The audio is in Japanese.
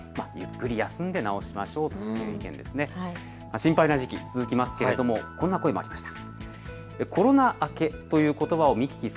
心配な時期、続きますけれどもこんな声もありました。